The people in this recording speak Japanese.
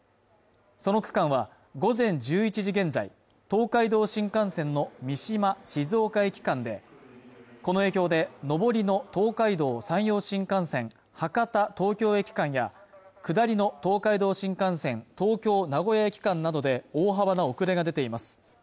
その区間は午前１１時現在東海道新幹線の三島ー静岡駅間でこの影響で上りの東海道山陽新幹線博多ー東京駅間や下りの東海道新幹線東京ー名古屋駅間などで大幅な遅れが出ています